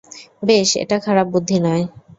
বেশ, এটা খারাপ বুদ্ধি নয়।